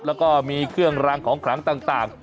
แล้วก็มีเครื่องรางของขลังต่าง